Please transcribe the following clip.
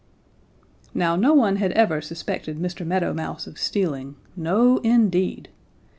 "Now no one had ever suspected Mr. Meadow Mouse of stealing no indeed!